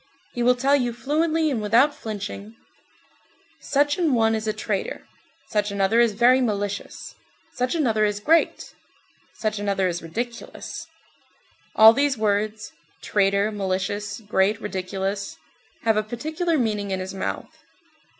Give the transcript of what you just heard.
He will tell you fluently and without flinching: "Such an one is a traitor; such another is very malicious; such another is great; such another is ridiculous." (All these words: traitor, malicious, great, ridiculous, have a particular meaning in his mouth.)